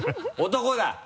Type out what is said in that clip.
男だ！